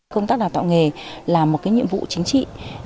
công tác đào tạo nghề là một nhiệm vụ chính trị